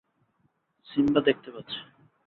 Simba দেখতে পাচ্ছে!